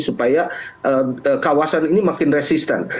supaya kawasan ini makin resisten